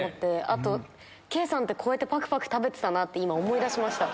あと圭さんってこうやって食べてたって思い出しました。